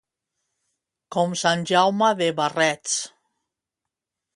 Com sant Jaume de barrets.